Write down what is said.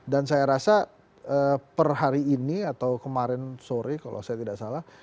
dan saya rasa per hari ini atau kemarin sore kalau saya tidak salah